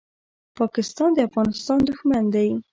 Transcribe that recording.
پاکستان د افغانستان دښمن دی.